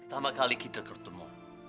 pertama kali kita ketemu